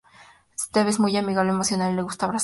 Steve es muy amigable, emocional y le gusta abrazar.